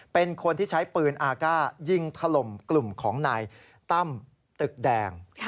เป็นคนที่ใช้ปืนอากาศยิงถล่มกลุ่มของนายตั้มตึกแดง